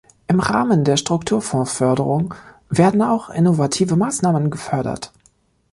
Im Rahmen der Strukturfondsförderung werden auch "innovative Maßnahmen" gefördert.